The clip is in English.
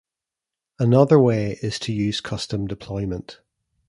Another way is to use custom deployment.